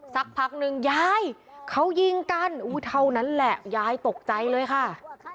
สักพักนึงยายเขายิงกันเท่านั้นแหละยายตกใจเลยค่ะ